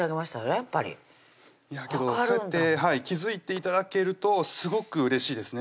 やっぱりけどそうやって気付いて頂けるとすごくうれしいですね